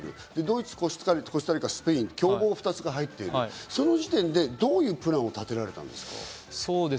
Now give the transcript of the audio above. ドイツ、コスタリカ、スペイン、強豪２つが入っている、その時点でどういうプランを立てられたんですか？